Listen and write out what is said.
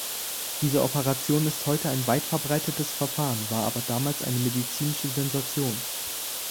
Diese Operation ist heute ein weit verbreitetes Verfahren, war aber damals eine medizinische Sensation.